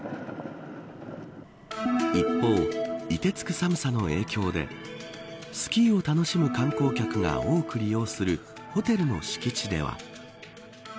一方、いてつく寒さの影響でスキーを楽しむ観光客が多く利用するホテルの敷地では。